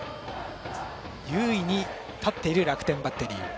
優位に立っている楽天バッテリー。